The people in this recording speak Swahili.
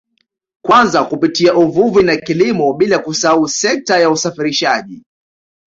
Kwanza kupitia uvuvi na kilimo bila kusahau sekta ya usafirishaji